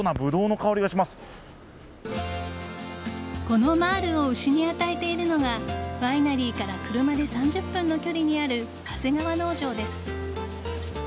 このマールを牛に与えているのがワイナリーから車で３０分の距離にある長谷川農場です。